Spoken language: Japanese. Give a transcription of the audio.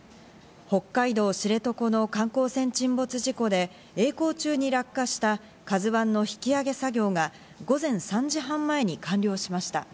北海道知床の観光船沈没事故でえい航中に落下した「ＫＡＺＵ１」の引き揚げ作業が午前３時半前に完了しました。